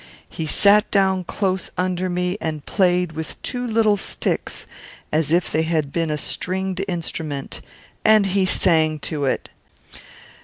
He sat down close under me, and played with two little sticks as if they had been a stringed instrument; and he sang to it.